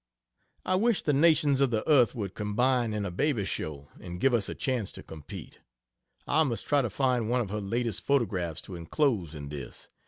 I wish the nations of the earth would combine in a baby show and give us a chance to compete. I must try to find one of her latest photographs to enclose in this.